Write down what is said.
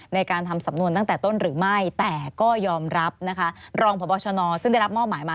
ในการทำสำนวนตั้งแต่ต้นหรือไม่แต่ก็ยอมรับนะคะรองพบชนซึ่งได้รับมอบหมายมา